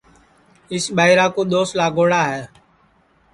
اِس ٻائیرا کُو دؔوس لاگوڑا ہے